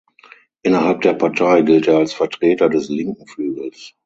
Innerhalb der Partei gilt er als Vertreter des linken Flügels.